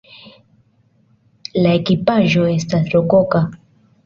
La ekipaĵo estas rokoka.